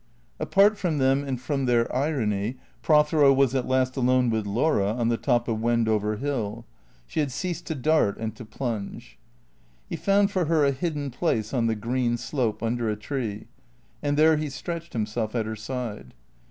Apart from them and from their irony, Prothero was at last alone with Laura on the top of Wendover Hill. She had ceased to dart and to plunge. He found for her a hidden place on the green slope, under a tree, and there he stretched himself at her side.